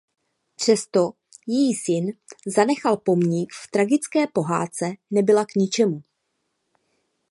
Přesto jí syn zanechal pomník v tragické pohádce Nebyla k ničemu.